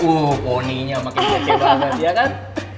uh poninya makin terce banget iya kan